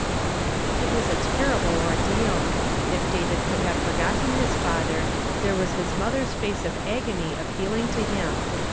It was a terrible ordeal. If David could have forgotten his father, there was his mother's face of agony appealing to him.